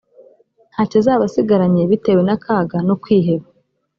nta cyo azaba asigaranye bitewe n’akaga no kwiheba